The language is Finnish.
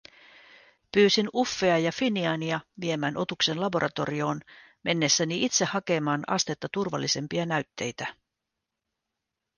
Pyysin Uffea ja Finiania viemään otuksen laboratorioon mennessäni itse hakemaan astetta turvallisempia näytteitä.